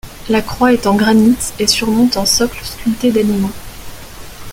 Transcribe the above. La croix est en granit et surmonte un socle sculpté d'animaux.